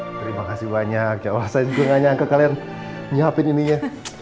terima kasih banyak ya wah saya juga gak nyangka kalian nyiapin ininya